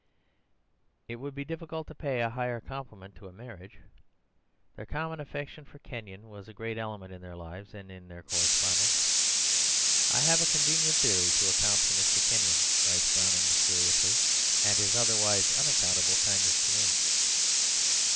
It would be difficult to pay a higher compliment to a marriage. Their common affection for Kenyon was a great element in their lives and in their correspondence. "I have a convenient theory to account for Mr. Kenyon," writes Browning mysteriously, "and his otherwise unaccountable kindness to me."